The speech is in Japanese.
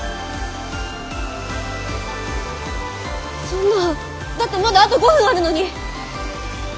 そんなだってまだあと５分あるのに！